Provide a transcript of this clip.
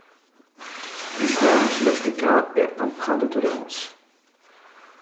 L'islam sud-africain est empreint de tolérance.